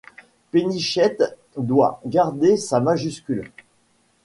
Pénichette doit garder sa majuscule.